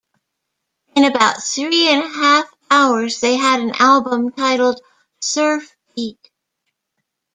In about three and a half hours, they had an album titled "Surfbeat".